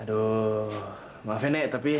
aduh maaf ya nek tapi